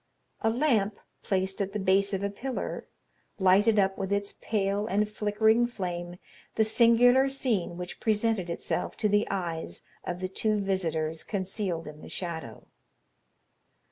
A lamp, placed at the base of a pillar, lighted up with its pale and flickering flame the singular scene which presented itself to the eyes of the two visitors concealed in the shadow.